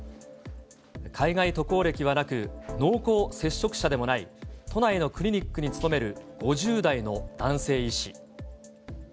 海外渡航歴はなく、濃厚接触者でもない、都内のクリニックに勤める５０代の男性医師。